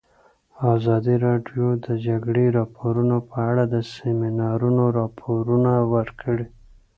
ازادي راډیو د د جګړې راپورونه په اړه د سیمینارونو راپورونه ورکړي.